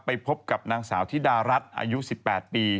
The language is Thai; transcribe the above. ไปพบกับนางสาวธิดารัฐอายุ๑๘ปี